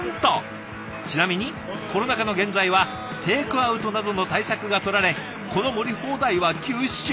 ちなみにコロナ禍の現在はテイクアウトなどの対策がとられこの盛り放題は休止中。